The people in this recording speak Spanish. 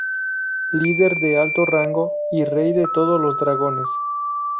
Líder de alto rango y Rey de todos los dragones.